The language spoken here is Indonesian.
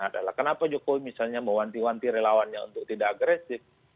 adalah kenapa jokowi misalnya mewanti wanti relawannya untuk tidak agresif